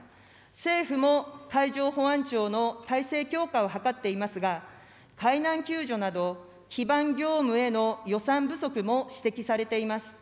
政府も海上保安庁の体制強化を図っていますが、海難救助など基盤業務への予算不足も指摘されています。